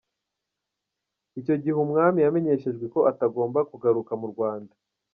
Icyo gihe Umwami yamenyeshejwe ko atagomba kugaruka mu Rwanda.